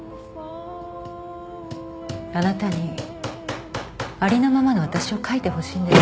あなたにありのままの私を描いてほしいんです。